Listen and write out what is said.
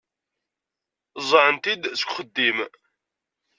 Ẓẓɛen-t-id seg uxeddim.